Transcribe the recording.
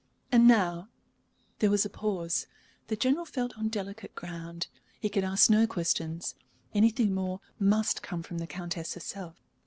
And now " There was a pause. The General felt on delicate ground. He could ask no questions anything more must come from the Countess herself.